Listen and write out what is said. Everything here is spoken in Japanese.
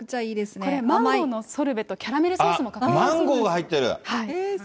これ、マンゴーのソルベとキャラメルソースも入っています。